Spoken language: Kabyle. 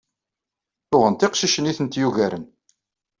Uɣent iqcicen ay tent-yugaren.